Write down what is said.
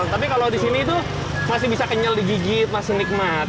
tapi kalau di sini itu masih bisa kenyal digigit masih nikmat